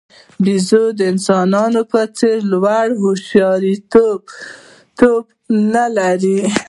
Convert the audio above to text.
بیزو د انسانانو په څېر لوړې هوښیارتیا نه لري.